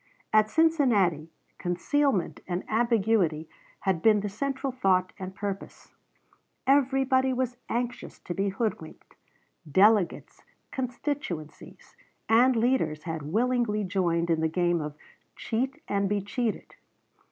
At Cincinnati, concealment and ambiguity had been the central thought and purpose. Everybody was anxious to be hoodwinked. Delegates, constituencies, and leaders had willingly joined in the game of "cheat and be cheated."